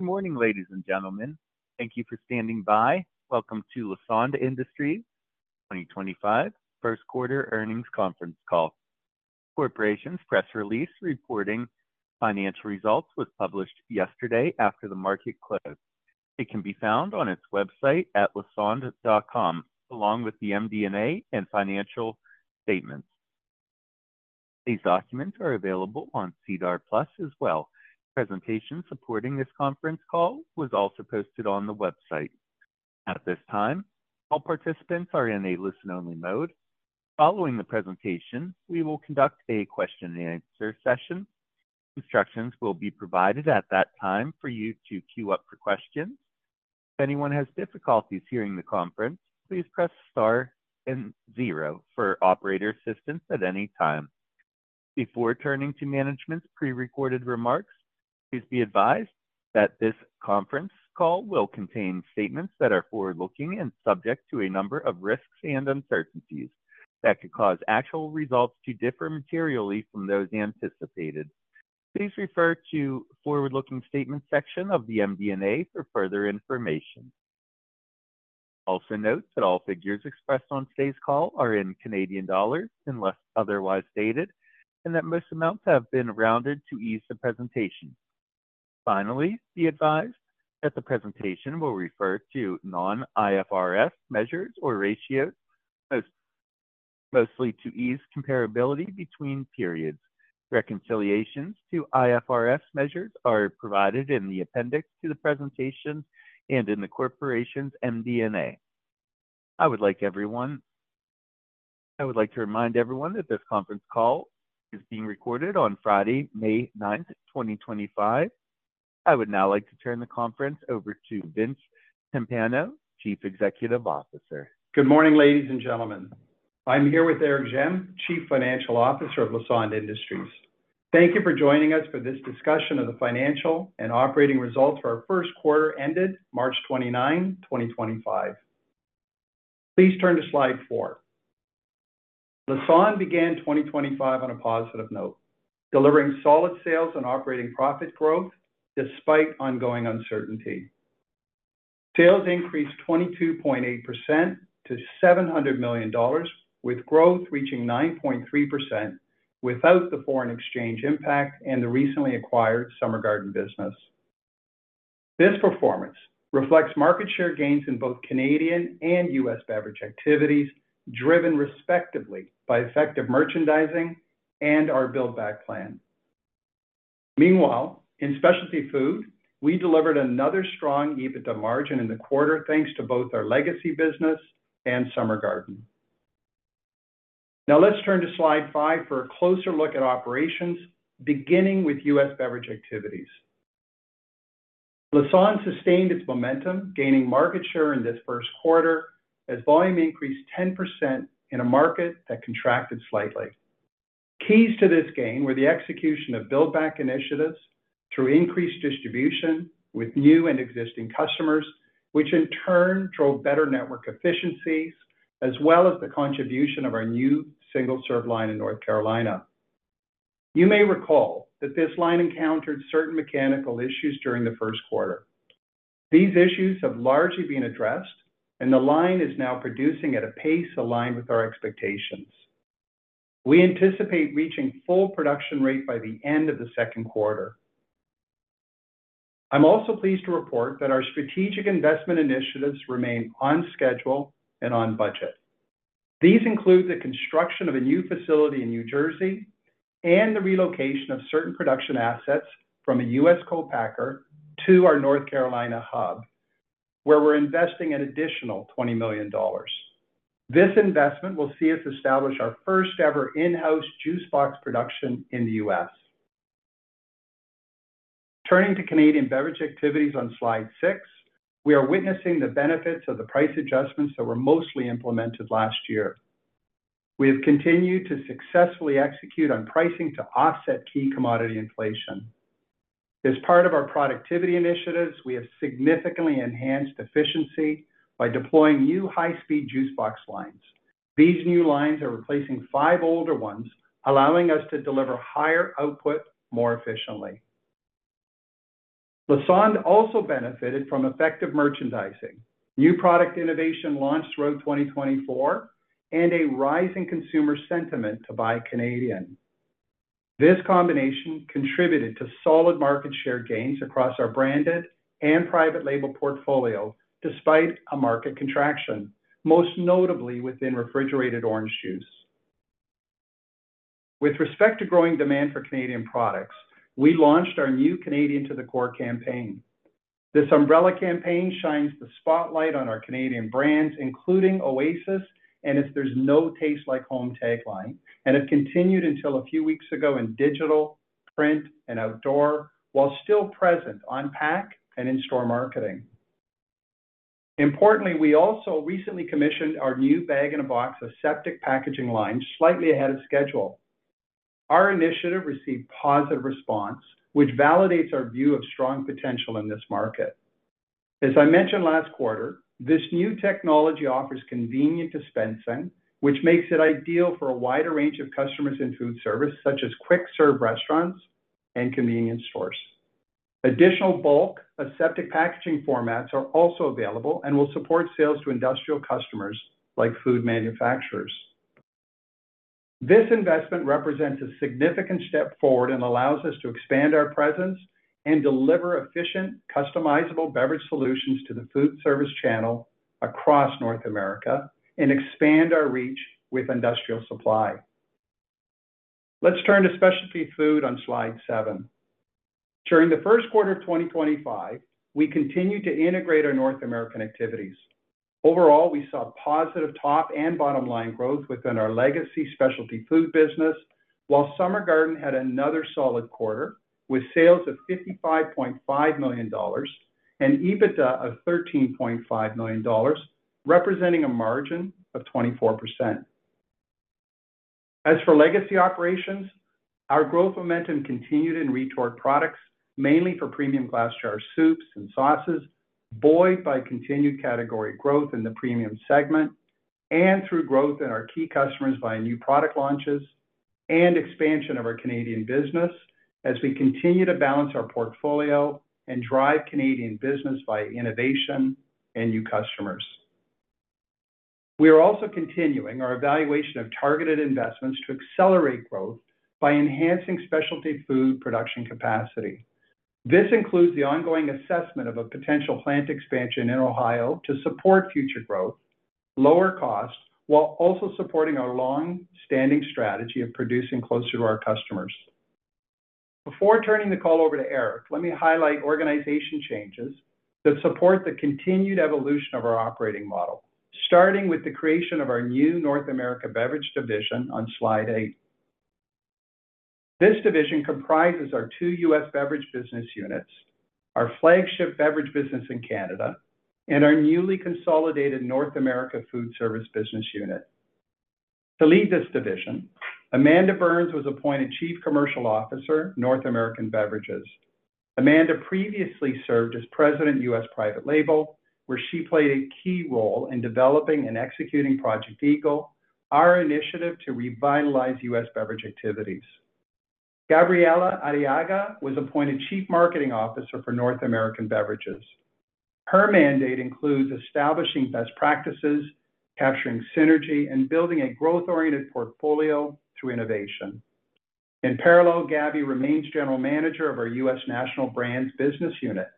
Good morning, ladies and gentlemen. Thank you for standing by. Welcome to Lassonde Industries' 2025 First Quarter Earnings Conference Call. Corporation's press release reporting financial results was published yesterday after the market closed. It can be found on its website at lassonde.com, along with the MD&A and financial statements. These documents are available on SEDAR+ as well. Presentations supporting this conference call were also posted on the website. At this time, all participants are in a listen-only mode. Following the presentation, we will conduct a question-and-answer session. Instructions will be provided at that time for you to queue up for questions. If anyone has difficulties hearing the conference, please press star and zero for operator assistance at any time. Before turning to management's prerecorded remarks, please be advised that this conference call will contain statements that are forward-looking and subject to a number of risks and uncertainties that could cause actual results to differ materially from those anticipated. Please refer to the forward-looking statements section of the MD&A for further information. Also note that all figures expressed on today's call are in Canadian dollars unless otherwise stated, and that most amounts have been rounded to ease the presentation. Finally, be advised that the presentation will refer to non-IFRS measures or ratios, mostly to ease comparability between periods. Reconciliations to IFRS measures are provided in the appendix to the presentation and in the corporation's MD&A. I would like to remind everyone that this conference call is being recorded on Friday, May 9, 2025. I would now like to turn the conference over to Vince Timpano, Chief Executive Officer. Good morning, ladies and gentlemen. I'm here with Éric Gemme, Chief Financial Officer of Lassonde Industries. Thank you for joining us for this discussion of the financial and operating results for our first quarter ended March 29, 2025. Please turn to slide four. Lassonde began 2025 on a positive note, delivering solid sales and operating profit growth despite ongoing uncertainty. Sales increased 22.8% to 700 million dollars, with growth reaching 9.3% without the foreign exchange impact and the recently acquired Summer Garden business. This performance reflects market share gains in both Canadian and U.S. beverage activities, driven respectively by effective merchandising and our build-back plan. Meanwhile, in specialty food, we delivered another strong EBITDA margin in the quarter, thanks to both our legacy business and Summer Garden. Now let's turn to slide five for a closer look at operations, beginning with U.S. beverage activities. Lassonde sustained its momentum, gaining market share in this first quarter as volume increased 10% in a market that contracted slightly. Keys to this gain were the execution of build-back initiatives through increased distribution with new and existing customers, which in turn drove better network efficiencies, as well as the contribution of our new single-serve line in North Carolina. You may recall that this line encountered certain mechanical issues during the first quarter. These issues have largely been addressed, and the line is now producing at a pace aligned with our expectations. We anticipate reaching full production rate by the end of the second quarter. I'm also pleased to report that our strategic investment initiatives remain on schedule and on budget. These include the construction of a new facility in New Jersey and the relocation of certain production assets from a U.S. Co-packer to our North Carolina hub, where we are investing an additional 20 million dollars. This investment will see us establish our first-ever in-house juice box production in the U.S. Turning to Canadian beverage activities on slide six, we are witnessing the benefits of the price adjustments that were mostly implemented last year. We have continued to successfully execute on pricing to offset key commodity inflation. As part of our productivity initiatives, we have significantly enhanced efficiency by deploying new high-speed juice box lines. These new lines are replacing five older ones, allowing us to deliver higher output more efficiently. Lassonde also benefited from effective merchandising. New product innovation launched throughout 2024 and a rising consumer sentiment to buy Canadian. This combination contributed to solid market share gains across our branded and private label portfolio, despite a market contraction, most notably within refrigerated orange juice. With respect to growing demand for Canadian products, we launched our new Canadian to the core campaign. This umbrella campaign shines the spotlight on our Canadian brands, including Oasis and If There's No Taste Like Home tagline, and have continued until a few weeks ago in digital, print, and outdoor, while still present on pack and in-store marketing. Importantly, we also recently commissioned our new bag-in-a-box aseptic packaging lines slightly ahead of schedule. Our initiative received positive response, which validates our view of strong potential in this market. As I mentioned last quarter, this new technology offers convenient dispensing, which makes it ideal for a wider range of customers in food service such as quick-serve restaurants and convenience stores. Additional bulk aseptic packaging formats are also available and will support sales to industrial customers like food manufacturers. This investment represents a significant step forward and allows us to expand our presence and deliver efficient, customizable beverage solutions to the food service channel across North America and expand our reach with industrial supply. Let's turn to specialty food on slide seven. During the first quarter of 2025, we continued to integrate our North American activities. Overall, we saw positive top and bottom line growth within our legacy specialty food business, while Summer Garden had another solid quarter with sales of 55.5 million dollars and EBITDA of 13.5 million dollars, representing a margin of 24%. As for legacy operations, our growth momentum continued in retort products, mainly for premium glass jar soups and sauces, buoyed by continued category growth in the premium segment and through growth in our key customers via new product launches and expansion of our Canadian business as we continue to balance our portfolio and drive Canadian business via innovation and new customers. We are also continuing our evaluation of targeted investments to accelerate growth by enhancing specialty food production capacity. This includes the ongoing assessment of a potential plant expansion in Ohio to support future growth, lower cost, while also supporting our long-standing strategy of producing closer to our customers. Before turning the call over to Éric, let me highlight organization changes that support the continued evolution of our operating model, starting with the creation of our new North America beverage division on slide eight. This division comprises our two U.S. Beverage business units, our flagship beverage business in Canada, and our newly consolidated North America food service business unit. To lead this division, Amanda Burns was appointed Chief Commercial Officer, North American Beverages. Amanda previously served as President of U.S. Private Label, where she played a key role in developing and executing Project Eagle, our initiative to revitalize U.S. beverage activities. Gabriela Arrillaga was appointed Chief Marketing Officer for North American Beverages. Her mandate includes establishing best practices, capturing synergy, and building a growth-oriented portfolio through innovation. In parallel, Gabby remains General Manager of our U.S. National Brands business unit.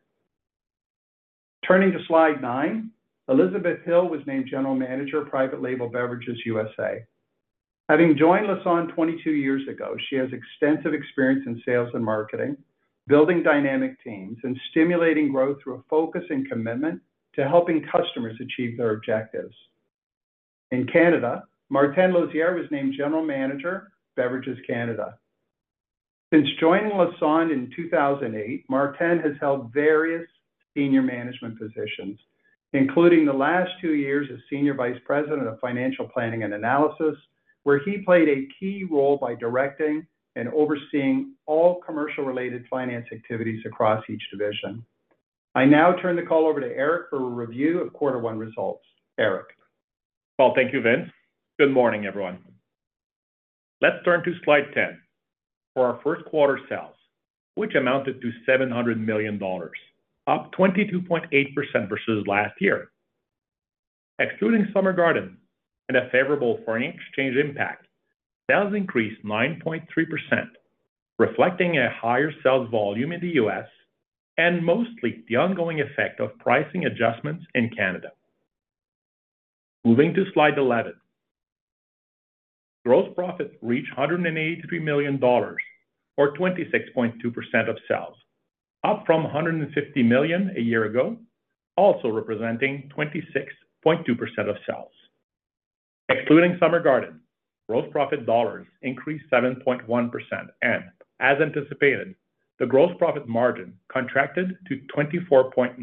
Turning to slide nine, Elizabeth Hill was named General Manager of Private Label Beverages USA. Having joined Lassonde 22 years ago, she has extensive experience in sales and marketing, building dynamic teams and stimulating growth through a focus and commitment to helping customers achieve their objectives. In Canada, Martin Lauziére was named General Manager of Beverages Canada. Since joining Lassonde in 2008, Martin has held various senior management positions, including the last two years as Senior Vice President of Financial Planning and Analysis, where he played a key role by directing and overseeing all commercial-related finance activities across each division. I now turn the call over to Éric for a review of quarter one results. Éric? Thank you, Vince. Good morning, everyone. Let's turn to slide 10. For our first quarter sales, which amounted to 700 million dollars, up 22.8% versus last year. Excluding Summer Garden and a favorable foreign exchange impact, sales increased 9.3%, reflecting a higher sales volume in the U.S. and mostly the ongoing effect of pricing adjustments in Canada. Moving to slide 11. Gross profits reached 183 million dollars, or 26.2% of sales, up from 150 million a year ago, also representing 26.2% of sales. Excluding Summer Garden, gross profit dollars increased 7.1%, and as anticipated, the gross profit margin contracted to 24.9%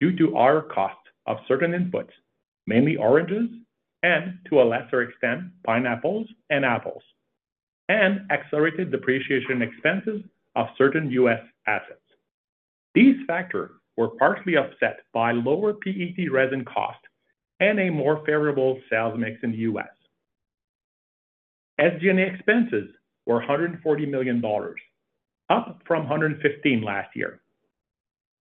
due to our cost of certain inputs, mainly oranges, and to a lesser extent, pineapples and apples, and accelerated depreciation expenses of certain U.S. assets. These factors were partially offset by lower PET resin cost and a more favorable sales mix in the U.S. SG&A expenses were 140 million dollars, up from 115 million last year.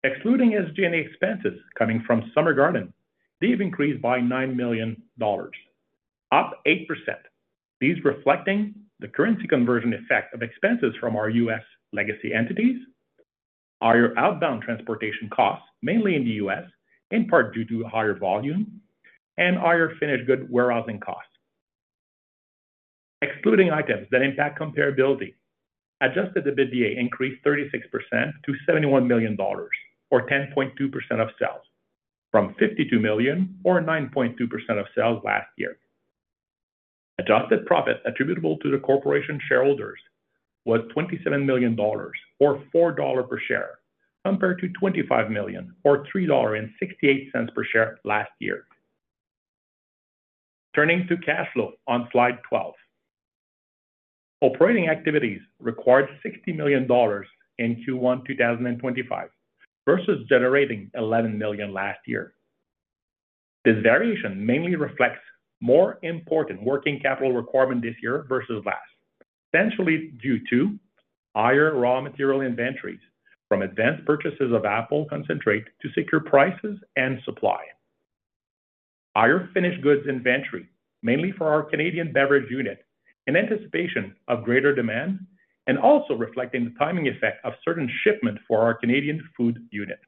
Excluding SG&A expenses coming from Summer Garden, they have increased by 9 million dollars, up 8%, these reflecting the currency conversion effect of expenses from our U.S. legacy entities, our outbound transportation costs, mainly in the U.S., in part due to higher volume, and our finished good warehousing costs. Excluding items that impact comparability, adjusted EBITDA increased 36% to 71 million dollars, or 10.2% of sales, from 52 million, or 9.2% of sales last year. Adjusted profit attributable to the corporation shareholders was 27 million dollars, or 4 dollar per share, compared to 25 million, or 3.68 dollar per share last year. Turning to cash flow on slide 12. Operating activities required 60 million dollars in Q1 2025 versus generating 11 million last year. This variation mainly reflects more important working capital requirement this year versus last, essentially due to higher raw material inventories from advanced purchases of apple concentrate to secure prices and supply. Higher finished goods inventory, mainly for our Canadian beverage unit, in anticipation of greater demand, and also reflecting the timing effect of certain shipment for our Canadian food unit.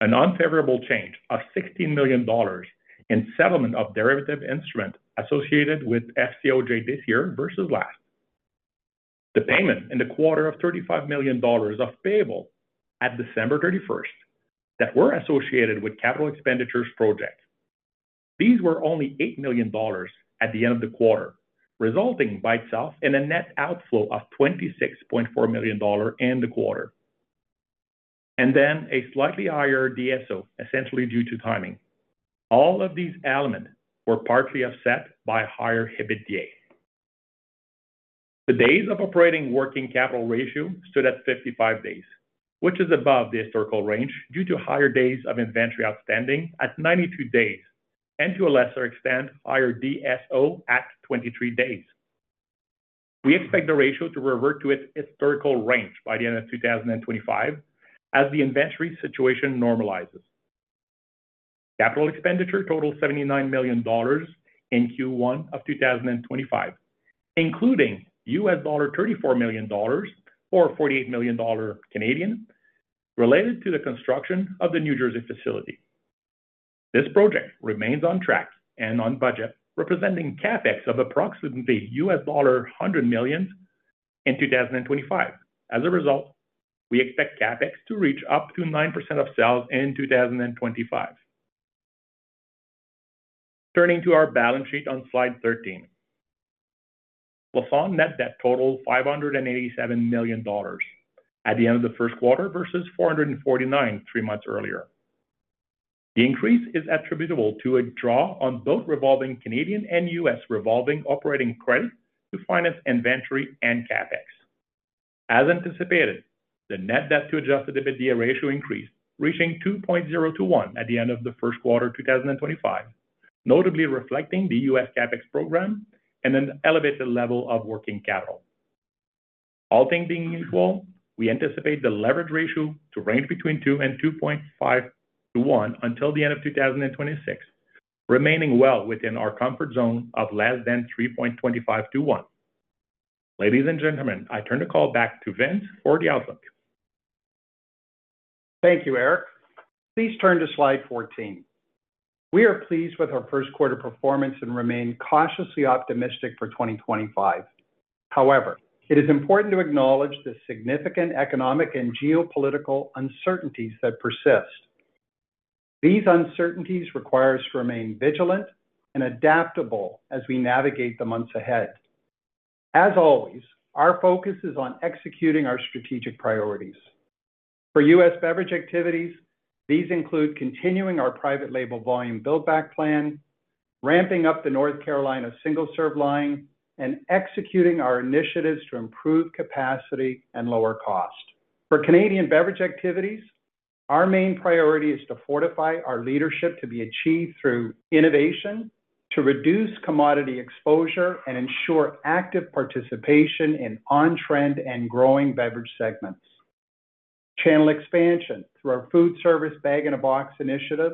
An unfavorable change of 16 million dollars in settlement of derivative instrument associated with FCOJ this year versus last. The payment in the quarter of 35 million dollars of payable at December 31st that were associated with capital expenditures projects. These were only 8 million dollars at the end of the quarter, resulting by itself in a net outflow of 26.4 million dollars in the quarter. A slightly higher DSO, essentially due to timing. All of these elements were partly offset by higher EBITDA. The days of operating working capital ratio stood at 55 days, which is above the historical range due to higher days of inventory outstanding at 92 days and to a lesser extent, higher DSO at 23 days. We expect the ratio to revert to its historical range by the end of 2025 as the inventory situation normalizes. Capital expenditure totaled 79 million dollars in Q1 of 2025, including $34 million, or 48 million Canadian dollars, related to the construction of the New Jersey facility. This project remains on track and on budget, representing CapEx of approximately $100 million in 2025. As a result, we expect CapEx to reach up to 9% of sales in 2025. Turning to our balance sheet on slide 13. Lassonde net debt totaled 587 million dollars at the end of the first quarter versus 449 million three months earlier. The increase is attributable to a draw on both revolving Canadian and U.S. revolving operating credit to finance inventory and CapEx. As anticipated, the net debt to adjusted EBITDA ratio increased, reaching 2.0:1 at the end of the first quarter of 2025, notably reflecting the U.S. CapEx program and an elevated level of working capital. All things being equal, we anticipate the leverage ratio to range between two and 2.5:1 until the end of 2026, remaining well within our comfort zone of less than 3.25:1. Ladies and gentlemen, I turn the call back to Vince for the outlook. Thank you, Éric. Please turn to slide 14. We are pleased with our first quarter performance and remain cautiously optimistic for 2025. However, it is important to acknowledge the significant economic and geopolitical uncertainties that persist. These uncertainties require us to remain vigilant and adaptable as we navigate the months ahead. As always, our focus is on executing our strategic priorities. For U.S. beverage activities, these include continuing our private label volume build-back plan, ramping up the North Carolina single-serve line, and executing our initiatives to improve capacity and lower cost. For Canadian beverage activities, our main priority is to fortify our leadership to be achieved through innovation, to reduce commodity exposure, and ensure active participation in on-trend and growing beverage segments. Channel expansion through our food service bag-in-a-box initiative,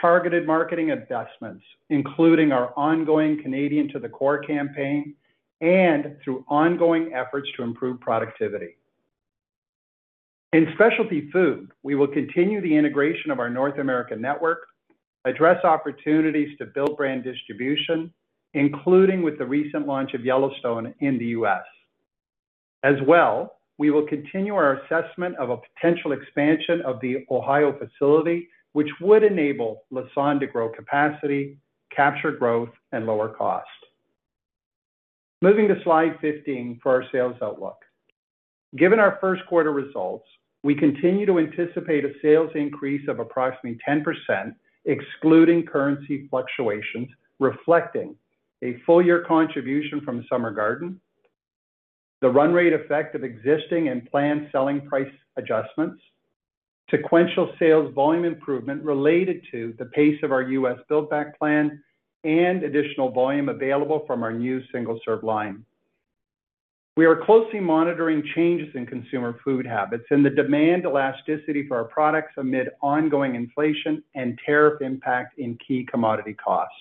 targeted marketing adjustments, including our ongoing Canadian to the core campaign, and through ongoing efforts to improve productivity. In specialty food, we will continue the integration of our North American network, address opportunities to build brand distribution, including with the recent launch of Yellowstone in the U.S. As well, we will continue our assessment of a potential expansion of the Ohio facility, which would enable Lassonde to grow capacity, capture growth, and lower cost. Moving to slide 15 for our sales outlook. Given our first quarter results, we continue to anticipate a sales increase of approximately 10%, excluding currency fluctuations, reflecting a full-year contribution from Summer Garden, the run-rate effect of existing and planned selling price adjustments, sequential sales volume improvement related to the pace of our U.S. build-back plan, and additional volume available from our new single-serve line. We are closely monitoring changes in consumer food habits and the demand elasticity for our products amid ongoing inflation and tariff impact in key commodity costs.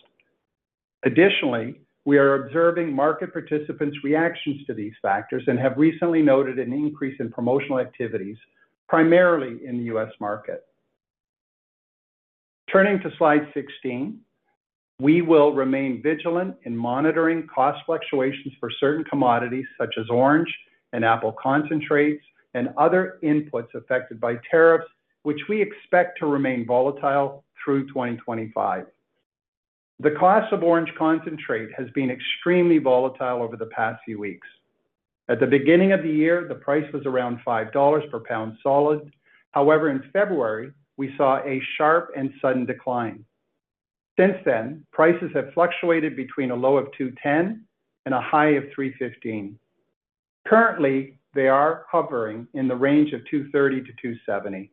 Additionally, we are observing market participants' reactions to these factors and have recently noted an increase in promotional activities, primarily in the U.S. market. Turning to slide 16. We will remain vigilant in monitoring cost fluctuations for certain commodities such as orange and apple concentrates and other inputs affected by tariffs, which we expect to remain volatile through 2025. The cost of orange concentrate has been extremely volatile over the past few weeks. At the beginning of the year, the price was around 5 dollars per pound solid. However, in February, we saw a sharp and sudden decline. Since then, prices have fluctuated between a low of 2.10 and a high of 3.15. Currently, they are hovering in the range of 2.30-2.70.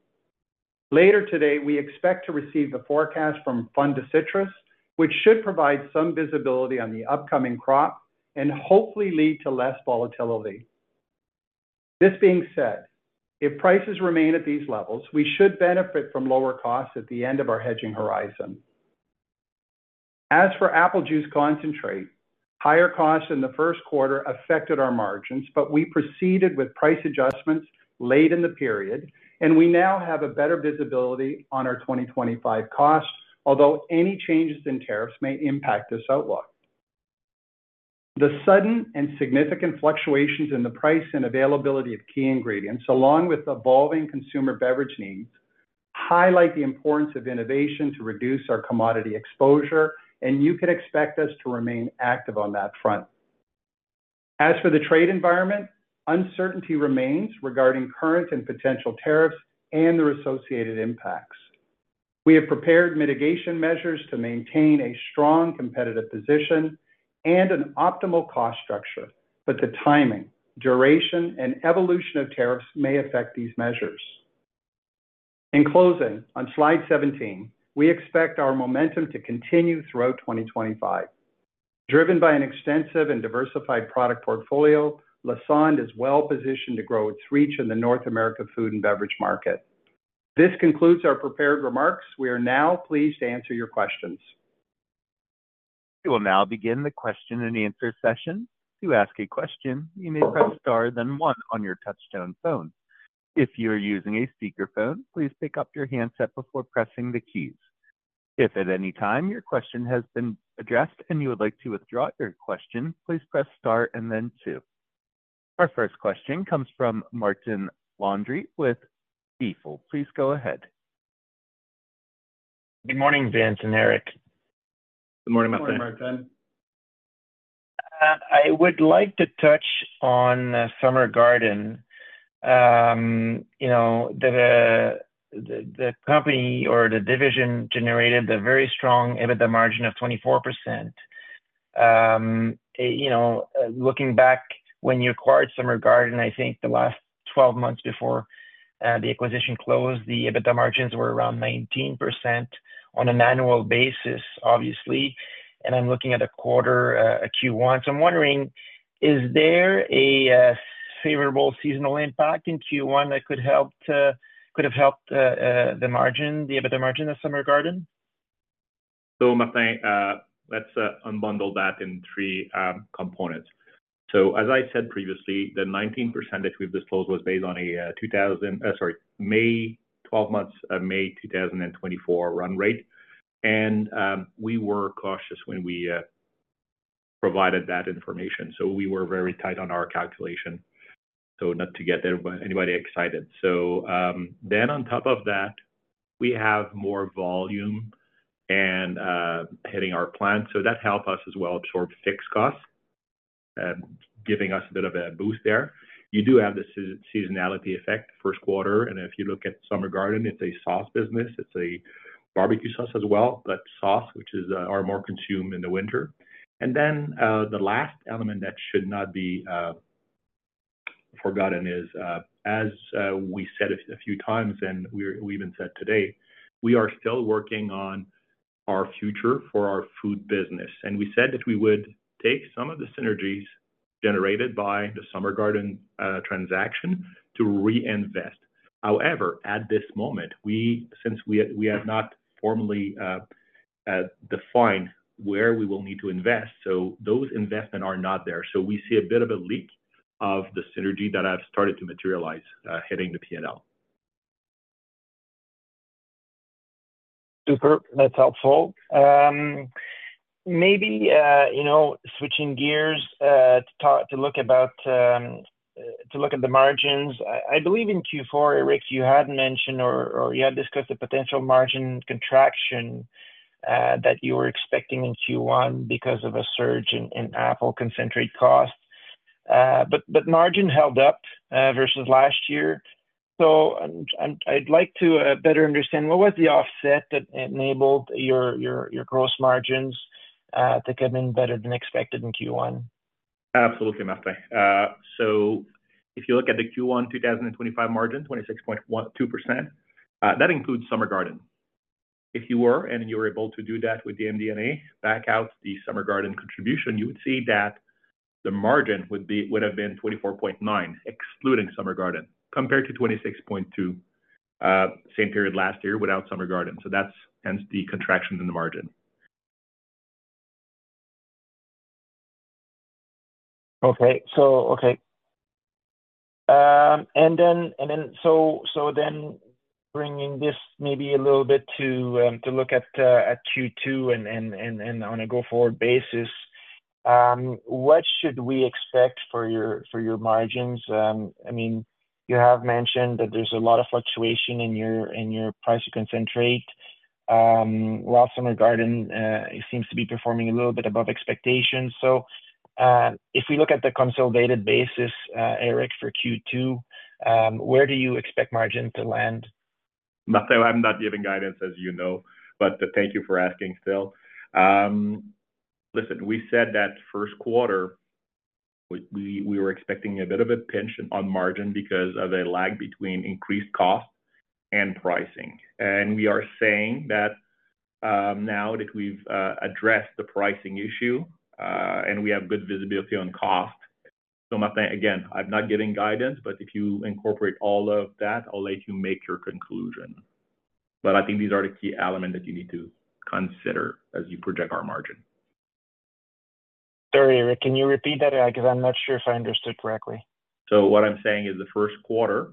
Later today, we expect to receive the forecast from Fundecitrus, which should provide some visibility on the upcoming crop and hopefully lead to less volatility. This being said, if prices remain at these levels, we should benefit from lower costs at the end of our hedging horizon. As for apple juice concentrate, higher costs in the first quarter affected our margins, but we proceeded with price adjustments late in the period, and we now have a better visibility on our 2025 cost, although any changes in tariffs may impact this outlook. The sudden and significant fluctuations in the price and availability of key ingredients, along with evolving consumer beverage needs, highlight the importance of innovation to reduce our commodity exposure, and you can expect us to remain active on that front. As for the trade environment, uncertainty remains regarding current and potential tariffs and their associated impacts. We have prepared mitigation measures to maintain a strong competitive position and an optimal cost structure, but the timing, duration, and evolution of tariffs may affect these measures. In closing, on slide 17, we expect our momentum to continue throughout 2025. Driven by an extensive and diversified product portfolio, Lassonde is well positioned to grow its reach in the North America food and beverage market. This concludes our prepared remarks. We are now pleased to answer your questions. We will now begin the question-and-answer session. To ask a question, you may press star then one on your touch-tone phone. If you are using a speakerphone, please pick up your handset before pressing the keys. If at any time your question has been addressed and you would like to withdraw your question, please press star and then two. Our first question comes from Martin Landry with Stifel. Please go ahead. Good morning, Vince and Éric. Good morning, Martin. Good morning, Martin. I would like to touch on Summer Garden. You know, the company or the division generated a very strong EBITDA margin of 24%. You know, looking back when you acquired Summer Garden, I think the last 12 months before the acquisition closed, the EBITDA margins were around 19% on an annual basis, obviously. I am looking at a quarter, a Q1. I am wondering, is there a favorable seasonal impact in Q1 that could have helped the margin, the EBITDA margin of Summer Garden? Martin, let's unbundle that in three components. As I said previously, the 19% that we've disclosed was based on a 2000, sorry, May, 12 months, May 2024 run-rate. We were cautious when we provided that information. We were very tight on our calculation so not to get anybody excited. On top of that, we have more volume hitting our plant. That helped us as well absorb fixed costs, giving us a bit of a boost there. You do have the seasonality effect first quarter. If you look at Summer Garden, it's a sauce business. It's a barbecue sauce as well, but sauce, which is more consumed in the winter. The last element that should not be forgotten is, as we said a few times, and we even said today, we are still working on our future for our food business. We said that we would take some of the synergies generated by the Summer Garden transaction to reinvest. However, at this moment, since we have not formally defined where we will need to invest, those investments are not there. We see a bit of a leak of the synergy that has started to materialize hitting the P&L. Super. That's helpful. Maybe, you know, switching gears to look at the margins. I believe in Q4, Éric, you had mentioned or you had discussed the potential margin contraction that you were expecting in Q1 because of a surge in apple concentrate cost. But margin held up versus last year. I’d like to better understand what was the offset that enabled your gross margins to come in better than expected in Q1? Absolutely, Martin. If you look at the Q1 2025 margin, 26.2%, that includes Summer Garden. If you were, and you were able to do that with the MD&A back out the Summer Garden contribution, you would see that the margin would have been 24.9% excluding Summer Garden compared to 26.2% same period last year without Summer Garden. That is hence the contraction in the margin. Okay. Okay. And then bringing this maybe a little bit to look at Q2 and on a go-forward basis, what should we expect for your margins? I mean, you have mentioned that there is a lot of fluctuation in your price to concentrate while Summer Garden seems to be performing a little bit above expectations. If we look at the consolidated basis, Éric, for Q2, where do you expect margin to land? Martin, I'm not giving guidance, as you know, but thank you for asking still. Listen, we said that first quarter, we were expecting a bit of a pinch on margin because of a lag between increased cost and pricing. We are saying that now that we've addressed the pricing issue and we have good visibility on cost. Martin, again, I'm not giving guidance, but if you incorporate all of that, I'll let you make your conclusion. I think these are the key elements that you need to consider as you project our margin. Sorry, Éric, can you repeat that? Because I'm not sure if I understood correctly. What I'm saying is the first quarter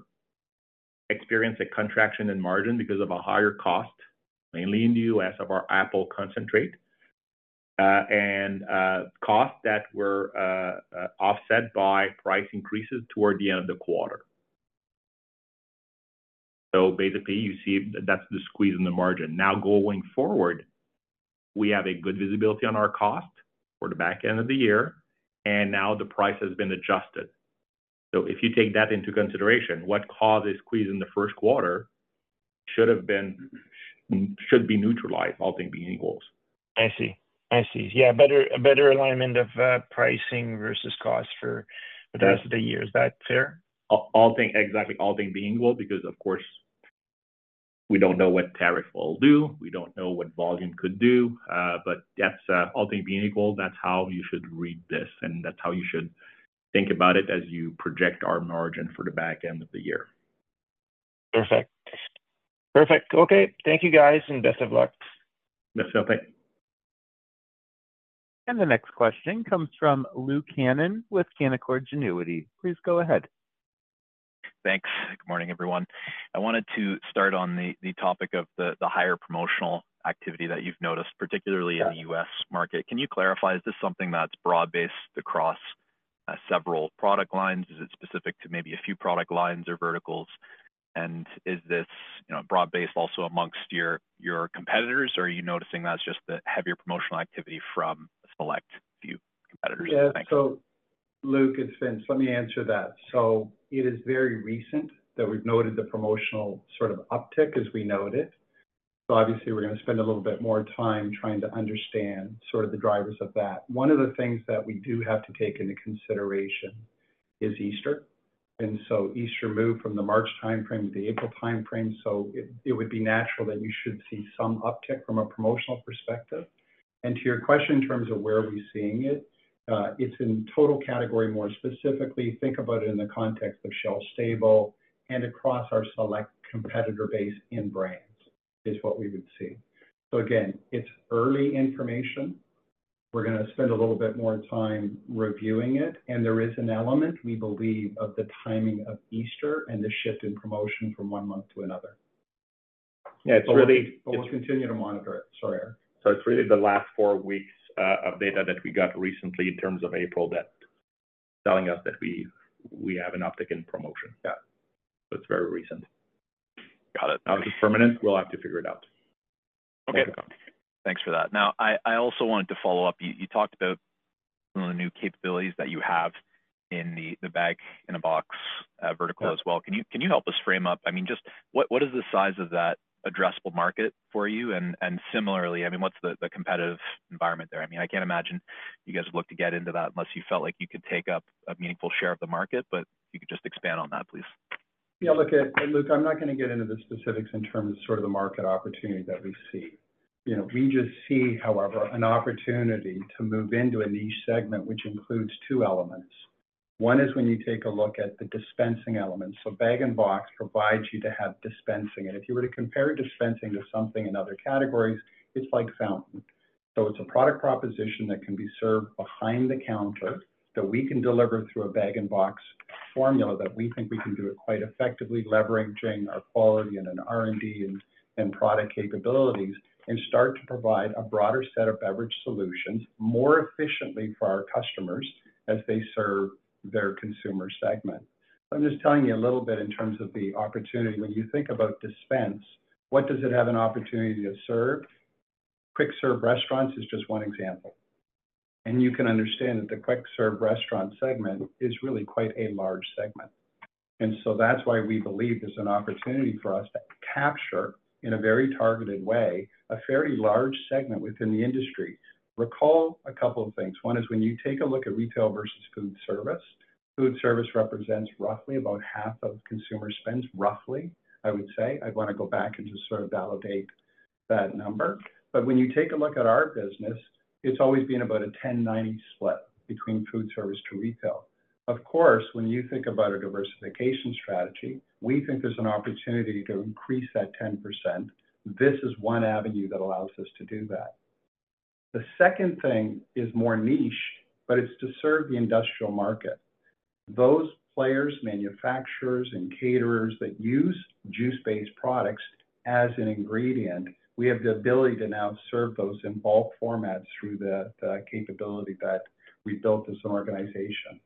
experienced a contraction in margin because of a higher cost, mainly in the U.S. of our apple concentrate and costs that were offset by price increases toward the end of the quarter. Basically, you see that's the squeeze in the margin. Now, going forward, we have good visibility on our cost for the back end of the year, and now the price has been adjusted. If you take that into consideration, what caused a squeeze in the first quarter should be neutralized, all things being equal. I see. I see. Yeah, better alignment of pricing versus cost for the rest of the year. Is that fair? Exactly. All things being equal because, of course, we do not know what tariff will do. We do not know what volume could do. All things being equal, that is how you should read this, and that is how you should think about it as you project our margin for the back end of the year. Perfect. Perfect. Okay. Thank you, guys, and best of luck. Best of luck. The next question comes from Luke Hannan with Canaccord Genuity. Please go ahead. Thanks. Good morning, everyone. I wanted to start on the topic of the higher promotional activity that you've noticed, particularly in the U.S. market. Can you clarify, is this something that's broad-based across several product lines? Is it specific to maybe a few product lines or verticals? Is this broad-based also amongst your competitors, or are you noticing that's just the heavier promotional activity from a select few competitors? Yeah. Luke, it's Vince. Let me answer that. It is very recent that we've noted the promotional sort of uptick as we know it. Obviously, we're going to spend a little bit more time trying to understand sort of the drivers of that. One of the things that we do have to take into consideration is Easter. Easter moved from the March timeframe to the April timeframe. It would be natural that you should see some uptick from a promotional perspective. To your question in terms of where we're seeing it, it's in total category more. Specifically, think about it in the context of shelf stable and across our select competitor base in brands is what we would see. Again, it's early information. We're going to spend a little bit more time reviewing it. There is an element, we believe, of the timing of Easter and the shift in promotion from one month to another. Yeah. It's really. We'll continue to monitor it. Sorry, Éric. It's really the last four weeks of data that we got recently in terms of April that's telling us that we have an uptick in promotion. Yeah. It's very recent. Got it. If it's permanent, we'll have to figure it out. Okay. Thanks for that. Now, I also wanted to follow up. You talked about some of the new capabilities that you have in the bag-in-a-box vertical as well. Can you help us frame up, I mean, just what is the size of that addressable market for you? And similarly, I mean, what's the competitive environment there? I mean, I can't imagine you guys would look to get into that unless you felt like you could take up a meaningful share of the market, but if you could just expand on that, please. Yeah. Look, I'm not going to get into the specifics in terms of sort of the market opportunity that we see. We just see, however, an opportunity to move into a niche segment, which includes two elements. One is when you take a look at the dispensing elements. Bag-in-a-box provides you to have dispensing. If you were to compare dispensing to something in other categories, it's like fountain. It's a product proposition that can be served behind the counter that we can deliver through a bag-in-a-box formula that we think we can do quite effectively, leveraging our quality and R&D and product capabilities and start to provide a broader set of beverage solutions more efficiently for our customers as they serve their consumer segment. I'm just telling you a little bit in terms of the opportunity. When you think about dispense, what does it have an opportunity to serve? Quick-serve restaurants is just one example. You can understand that the quick-serve restaurant segment is really quite a large segment. That is why we believe there is an opportunity for us to capture, in a very targeted way, a fairly large segment within the industry. Recall a couple of things. One is when you take a look at retail versus food service, food service represents roughly about half of consumer spends, roughly, I would say. I would want to go back and just sort of validate that number. When you take a look at our business, it has always been about a 10/90 split between food service to retail. Of course, when you think about a diversification strategy, we think there is an opportunity to increase that 10%. This is one avenue that allows us to do that. The second thing is more niche, but it's to serve the industrial market. Those players, manufacturers, and caterers that use juice-based products as an ingredient, we have the ability to now serve those in bulk formats through the capability that we built as an organization.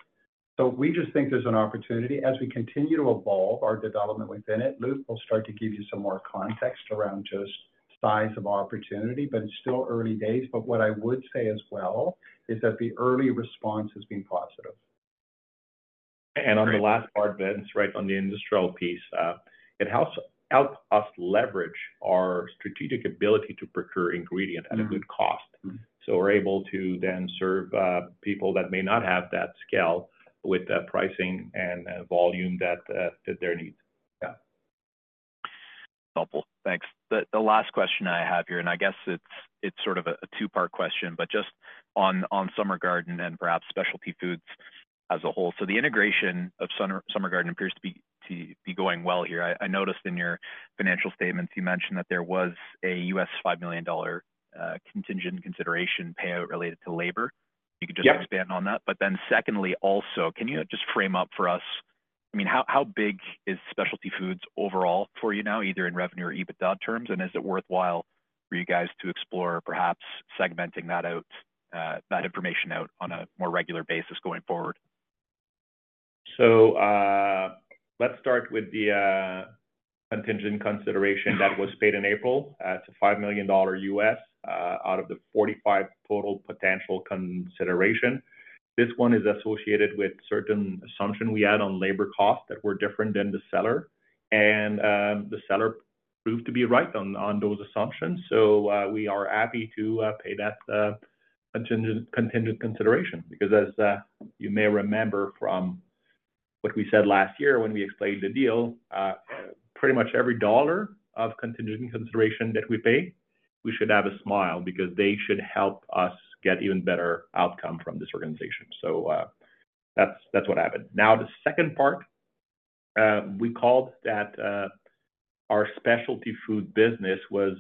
We just think there's an opportunity as we continue to evolve our development within it. Luke, I'll start to give you some more context around just size of opportunity, but it's still early days. What I would say as well is that the early response has been positive. On the last part, Vince, right, on the industrial piece, it helps us leverage our strategic ability to procure ingredients at a good cost. We are able to then serve people that may not have that scale with the pricing and volume that they need. Yeah. Helpful. Thanks. The last question I have here, and I guess it is sort of a two-part question, just on Summer Garden and perhaps specialty foods as a whole. The integration of Summer Garden appears to be going well here. I noticed in your financial statements, you mentioned that there was a $5 million contingent consideration payout related to labor. If you could just expand on that. Then secondly, also, can you just frame up for us, I mean, how big is specialty foods overall for you now, either in revenue or EBITDA terms? Is it worthwhile for you guys to explore perhaps segmenting that information out on a more regular basis going forward? Let's start with the contingent consideration that was paid in April. It's a $5 million U.S. out of the $45 million total potential consideration. This one is associated with certain assumptions we had on labor costs that were different than the seller. The seller proved to be right on those assumptions. We are happy to pay that contingent consideration because, as you may remember from what we said last year when we explained the deal, pretty much every dollar of contingent consideration that we pay, we should have a smile because they should help us get even better outcome from this organization. That's what happened. Now, the second part, we called that our specialty food business was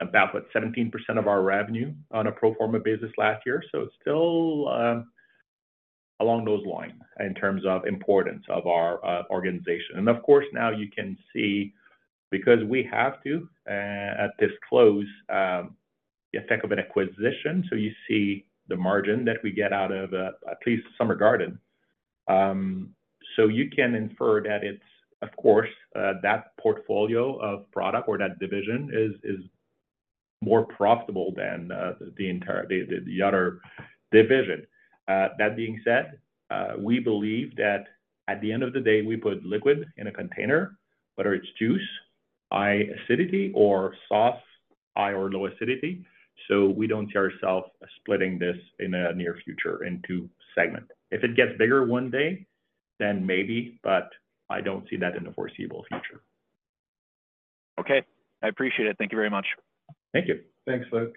about, what, 17% of our revenue on a pro forma basis last year. It's still along those lines in terms of importance of our organization. Of course, now you can see, because we have to disclose the effect of an acquisition, you see the margin that we get out of at least Summer Garden. You can infer that it's, of course, that portfolio of product or that division is more profitable than the other division. That being said, we believe that at the end of the day, we put liquid in a container, whether it's juice, high acidity, or sauce, high or low acidity. We don't see ourselves splitting this in the near future into segment. If it gets bigger one day, then maybe, but I don't see that in the foreseeable future. Okay. I appreciate it. Thank you very much. Thank you. Thanks, Luke.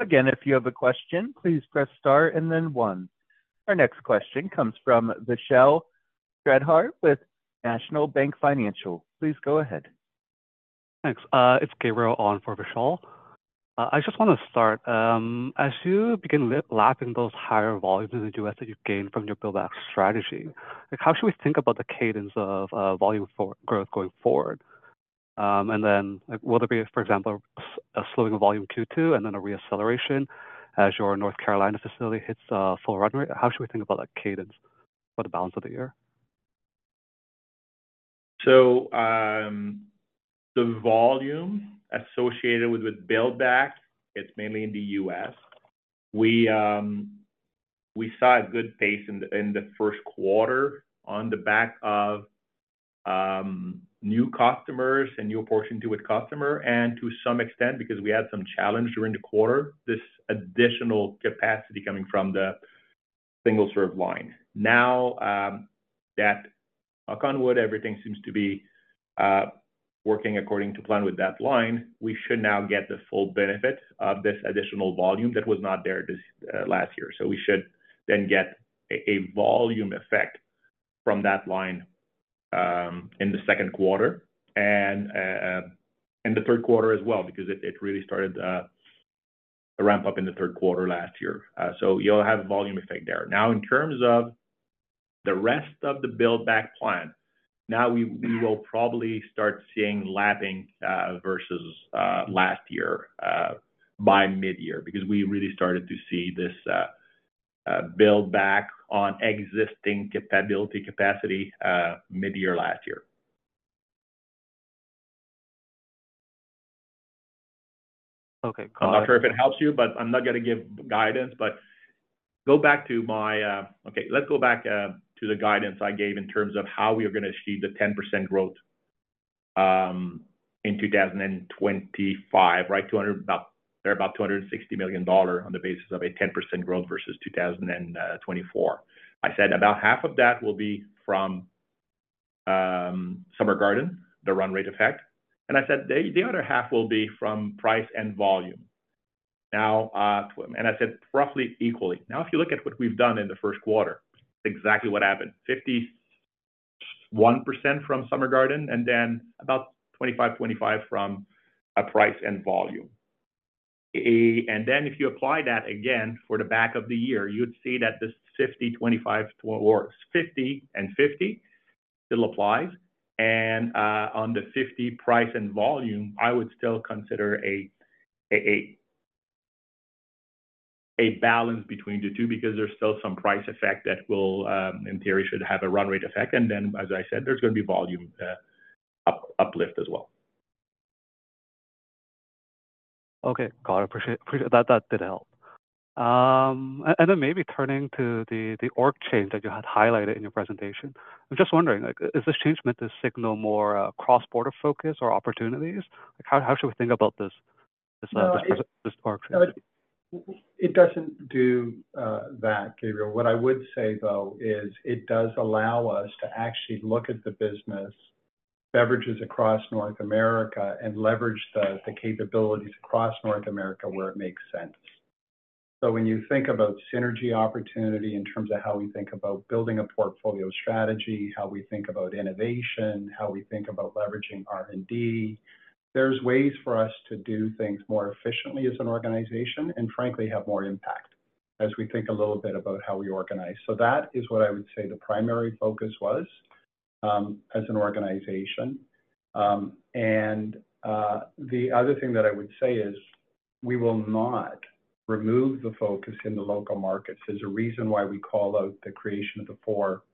Again, if you have a question, please press star and then one. Our next question comes from Vishal Shreedhar with National Bank Financial. Please go ahead. Thanks. It's Gabriel on for Vishal. I just want to start. As you begin lapping those higher volumes in the U.S. that you gained from your build-back strategy, how should we think about the cadence of volume growth going forward? Will there be, for example, a slowing of volume Q2 and then a reacceleration as your North Carolina facility hits full run-rate? How should we think about that cadence for the balance of the year? The volume associated with build-back, it's mainly in the U.S. We saw a good pace in the first quarter on the back of new customers and new opportunity with customers. To some extent, because we had some challenge during the quarter, this additional capacity coming from the single-serve line. Now that, knock on wood, everything seems to be working according to plan with that line, we should now get the full benefit of this additional volume that was not there last year. We should then get a volume effect from that line in the second quarter and in the third quarter as well because it really started to ramp up in the third quarter last year. You'll have a volume effect there. Now, in terms of the rest of the build-back plan, now we will probably start seeing lapping versus last year by mid-year because we really started to see this build-back on existing ability capacity mid-year last year. Okay. Got it. I'm not sure if it helps you, but I'm not going to give guidance. Go back to my, okay, let's go back to the guidance I gave in terms of how we are going to achieve the 10% growth in 2025, right? They're about 260 million dollars on the basis of a 10% growth versus 2024. I said about half of that will be from Summer Garden, the run-rate effect. I said the other half will be from price and volume. I said roughly equally. Now, if you look at what we've done in the first quarter, exactly what happened: 51% from Summer Garden and then about 25/25 from price and volume. If you apply that again for the back of the year, you'd see that this 50/25, or 50/50 still applies. On the 50% price and volume, I would still consider a balance between the two because there's still some price effect that will, in theory, should have a run-rate effect. As I said, there's going to be volume uplift as well. Okay. Got it. Appreciate that. That did help. Maybe turning to the org change that you had highlighted in your presentation. I'm just wondering, is this change meant to signal more cross-border focus or opportunities? How should we think about this org change? It doesn't do that, Gabriel. What I would say, though, is it does allow us to actually look at the business beverages across North America and leverage the capabilities across North America where it makes sense. When you think about synergy opportunity in terms of how we think about building a portfolio strategy, how we think about innovation, how we think about leveraging R&D, there are ways for us to do things more efficiently as an organization and, frankly, have more impact as we think a little bit about how we organize. That is what I would say the primary focus was as an organization. The other thing that I would say is we will not remove the focus in the local markets. There is a reason why we call out the creation of the four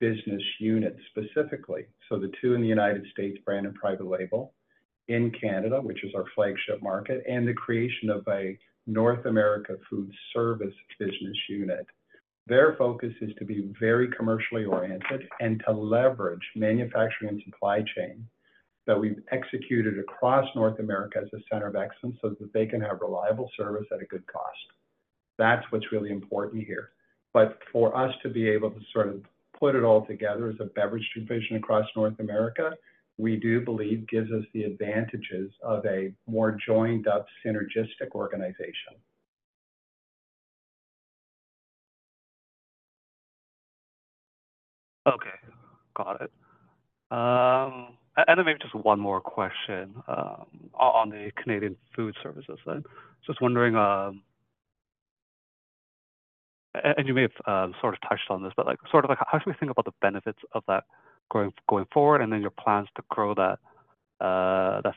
business units specifically. The two in the U.S., brand and private label, in Canada, which is our flagship market, and the creation of a North America food service business unit. Their focus is to be very commercially oriented and to leverage manufacturing and supply chain that we've executed across North America as a center of excellence so that they can have reliable service at a good cost. That is what's really important here. For us to be able to sort of put it all together as a beverage division across North America, we do believe gives us the advantages of a more joined-up, synergistic organization. Okay. Got it. Maybe just one more question on the Canadian food services. Just wondering, and you may have sort of touched on this, but sort of how should we think about the benefits of that going forward and then your plans to grow that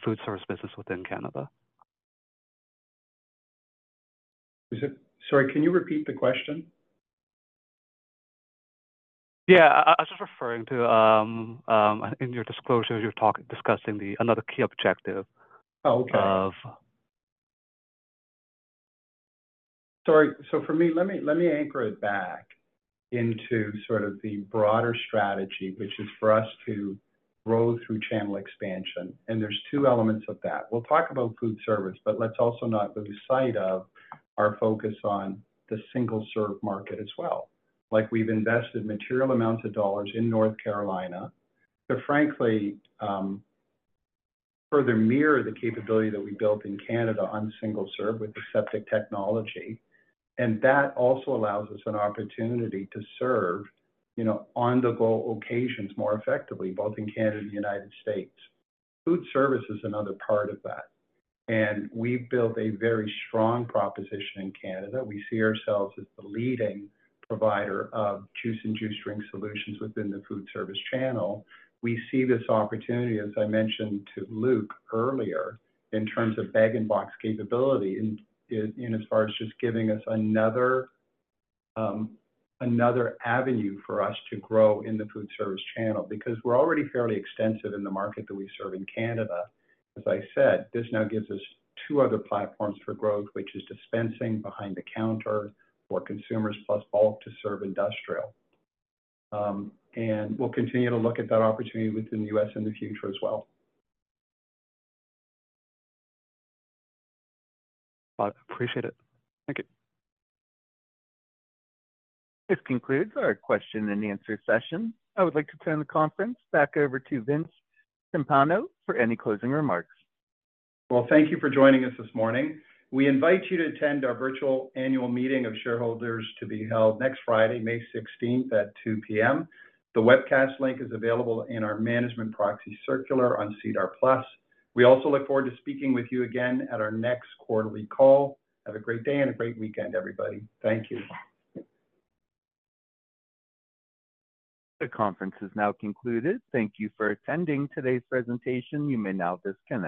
food service business within Canada? Sorry, can you repeat the question? Yeah. I was just referring to, in your disclosure, you're discussing another key objective of. Sorry. For me, let me anchor it back into sort of the broader strategy, which is for us to grow through channel expansion. There are two elements of that. We will talk about food service, but let's also not lose sight of our focus on the single-serve market as well. We have invested material amounts of dollars in North Carolina that, frankly, further mirror the capability that we built in Canada on single-serve with the aseptic technology. That also allows us an opportunity to serve on-the-go occasions more effectively, both in Canada and the U.S. Food service is another part of that. We have built a very strong proposition in Canada. We see ourselves as the leading provider of juice and juice drink solutions within the food service channel. We see this opportunity, as I mentioned to Luke earlier, in terms of bag-in-a-box capability in as far as just giving us another avenue for us to grow in the food service channel because we're already fairly extensive in the market that we serve in Canada. As I said, this now gives us two other platforms for growth, which is dispensing behind the counter for consumers plus bulk to serve industrial. We will continue to look at that opportunity within the U.S. in the future as well. Appreciate it. Thank you. This concludes our question-and-answer session. I would like to turn the conference back over to Vince Timpano for any closing remarks. Thank you for joining us this morning. We invite you to attend our virtual annual meeting of shareholders to be held next Friday, May 16, at 2:00 P.M. The webcast link is available in our management proxy circular on SEDAR+. We also look forward to speaking with you again at our next quarterly call. Have a great day and a great weekend, everybody. Thank you. The conference is now concluded. Thank you for attending today's presentation. You may now disconnect.